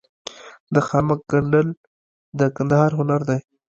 د خامک ګنډل د کندهار هنر دی.